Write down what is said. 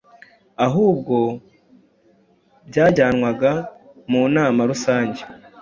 Ahubwo byajyanwaga mu nama rusange